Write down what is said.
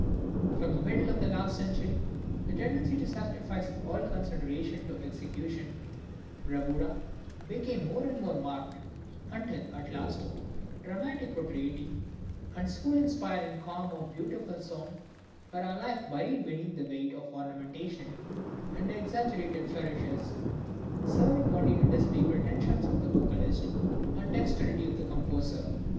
From the middle of the last century the tendency to sacrifice all consideration to execution (bravura) became more and more marked; until at last, dramatic propriety, and the soul inspiring calm of beautiful song, were alike buried beneath the weight of ornamentation and exaggerated flourishes, serving only to display the pretensions of the vocalist and the dexterity of the composer.